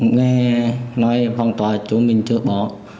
em nghe nói phong tỏa chỗ mình chưa bỏ